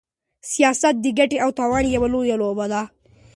سياست د ګټې او تاوان يوه لويه لوبه ده.